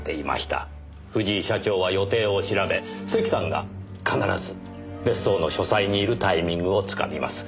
藤井社長は予定を調べ関さんが必ず別荘の書斎にいるタイミングをつかみます。